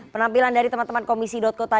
penampilan dari teman teman komisi co tadi